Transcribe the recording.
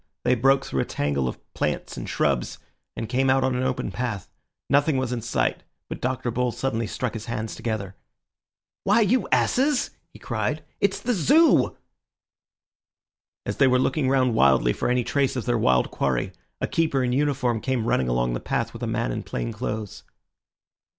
They broke through a tangle of plants and shrubs, and came out on an open path. Nothing was in sight, but Dr. Bull suddenly struck his hands together. "Why, you asses," he cried, "it's the Zoo!" As they were looking round wildly for any trace of their wild quarry, a keeper in uniform came running along the path with a man in plain clothes.